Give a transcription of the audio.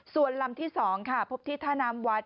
ส่วนลำที่๒พบที่ท่านามวัด